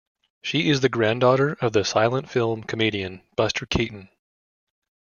She is the granddaughter of silent film comedian Buster Keaton.